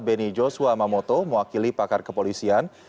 beni joshua mamoto mewakili pakar kepolisian